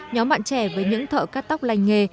nhóm bạn trẻ với những thợ cắt tóc lành nghề